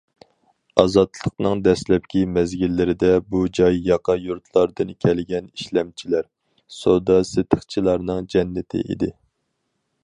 ئازادلىقنىڭ دەسلەپكى مەزگىللىرىدە بۇ جاي ياقا يۇرتلاردىن كەلگەن ئىشلەمچىلەر، سودا سېتىقچىلارنىڭ جەننىتى ئىدى.